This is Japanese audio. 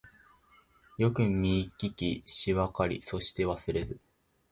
よくみききしわかりそしてわすれず